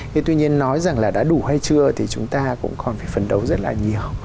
thế tuy nhiên nói rằng là đã đủ hay chưa thì chúng ta cũng còn phải phấn đấu rất là nhiều